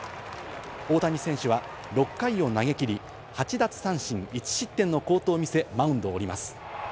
大谷選手は６回を投げきり、８奪三振１失点の好投を見せマウンドを降ります。